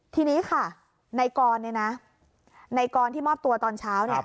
ทีนี้ค่ะในกรณ์เนี่ยนะในกรณ์ที่มอบตัวตอนเช้าเนี่ย